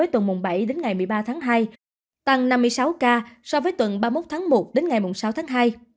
tăng ba mươi ba ca so với tuần mùng bảy đến ngày một mươi ba tháng hai